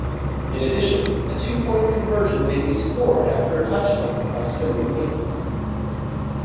In addition, a two-point conversion may be scored after a touchdown by similar means.